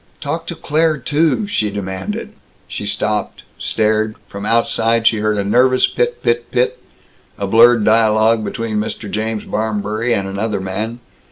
"Talk to Claire too!" she demanded. She stopped, stared. From outside she heard a nervous pit pit pit, a blurred dialogue between Mr. James Barmberry and another man.